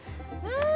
うん